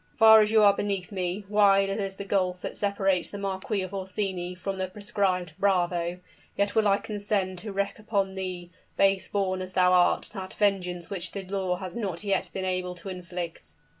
"Far as you are beneath me wide as is the gulf that separates the Marquis of Orsini from the proscribed bravo yet will I condescend to wreak upon thee, base born as thou art, that vengeance which the law has not yet been able to inflict."